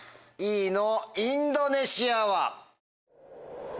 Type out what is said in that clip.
Ｅのインドネシアは。